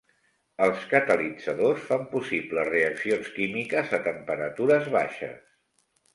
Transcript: Els catalitzadors fan possible reaccions químiques a temperatures baixes.